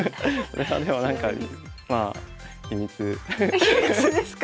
でもなんかまあ秘密ですか。